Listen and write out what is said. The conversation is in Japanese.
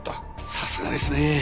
さすがですね。